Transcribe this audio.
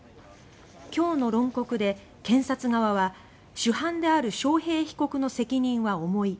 今日の論告で検察側は「主犯である章平被告の責任は重い」